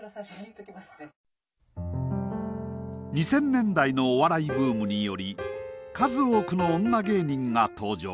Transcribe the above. ２０００年代のお笑いブームにより数多くの女芸人が登場。